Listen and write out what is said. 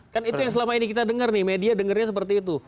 kan itu yang selama ini kita dengar nih media dengarnya seperti itu